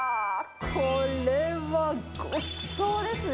これはごちそうですね。